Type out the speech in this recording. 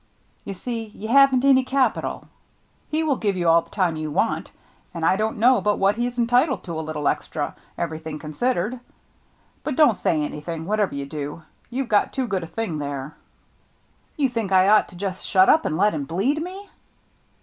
You see, you haven't any capi tal. He will give you all the time you want, and I don't know but what he's entitled to a little extra, everything considered. But don't THE NEW MATE 45 say anything, whatever you do. You've got too good a thing here." " You think I ought to just shut up and let him bleed me